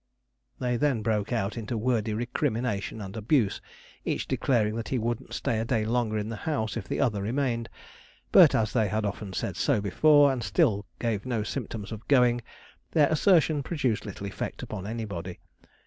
They then broke out into wordy recrimination and abuse, each declaring that he wouldn't stay a day longer in the house if the other remained; but as they had often said so before, and still gave no symptoms of going, their assertion produced little effect upon anybody.